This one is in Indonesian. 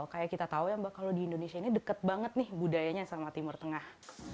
kayak kita tahu ya mbak kalau di indonesia ini deket banget nih budayanya sama timur tengah